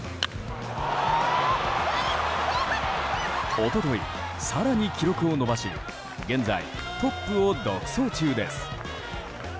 一昨日、更に記録を伸ばし現在トップを独走中です。